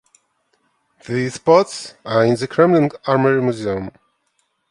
These pots are in the Kremlin Armoury Museum.